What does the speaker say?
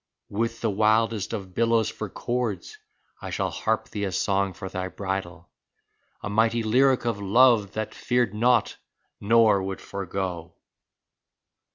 With the wildest of billows for chords I shall harp thee a song for thy bridal, A mighty lyric of love that feared not nor would forego